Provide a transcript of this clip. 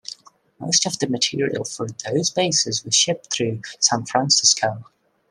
Most of the materiel for those bases was shipped through San Francisco.